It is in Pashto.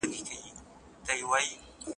ورزش د هر عمر لرونکي انسان لپاره ګټور دی.